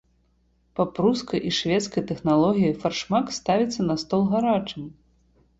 Па прускай і шведскай тэхналогіі фаршмак ставіцца на стол гарачым.